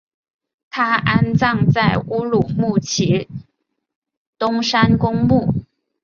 他安葬在乌鲁木齐东山公墓。